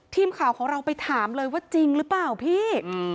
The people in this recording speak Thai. ทีมข่าวของเราไปถามเลยว่าจริงหรือเปล่าพี่